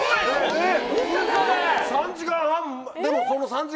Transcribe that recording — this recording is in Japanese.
えっ！